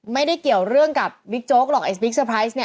ไม่ได้เกี่ยวเรื่องกับบิ๊กโจ๊กหรอกไอ้สบิ๊กเซอร์ไพรส์เนี่ย